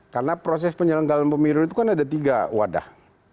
karena proses penyelenggaraan pemilu itu kan ada tiga wadah